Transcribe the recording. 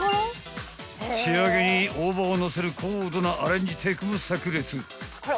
［仕上げに大葉をのせる高度なアレンジテクも炸裂］